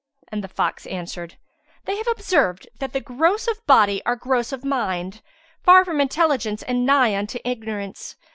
And the fox answered, "They have observed that the gross of body are gross of mind, far from intelligence and nigh unto ignorance.